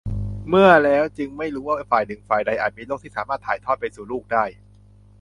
เมื่อ แล้วจึงไม่รู้ว่าฝ่ายหนึ่งฝ่ายใดอาจมีโรคที่สามารถถ่ายทอดไปสู่ลูกได้